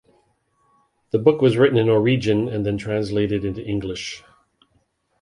The book was written in Norwegian and then translated into English.